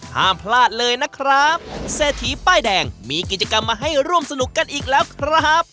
ห้ามพลาดเลยนะครับเศรษฐีป้ายแดงมีกิจกรรมมาให้ร่วมสนุกกันอีกแล้วครับ